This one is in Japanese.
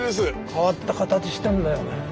変わった形してんだよね。